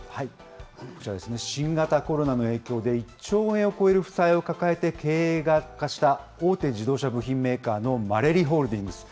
こちらですね、新型コロナの影響で、１兆円を超える負債を抱え経営が悪化した、大手自動車部品メーカーのマレリホールディングス。